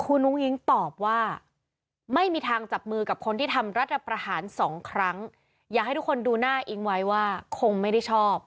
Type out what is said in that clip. คุณอุ้งอิ๊งตอบว่าไม่มีทางจับมือกับคนที่ทำรัฐประหารสองครั้งอยากให้ทุกคนดูหน้าอิ๊งไว้ว่าคงไม่ได้ชอบ